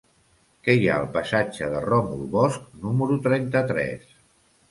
Què hi ha al passatge de Ròmul Bosch número trenta-tres?